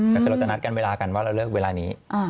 ก็เราจะนัดเวลากันว่าเราเลือกเวลานี้